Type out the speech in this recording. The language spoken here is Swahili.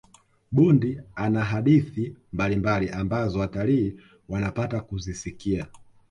bundi ana hadithi mbalimbali ambazo watalii wanapata kuzisikia